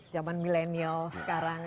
zaman milenial sekarang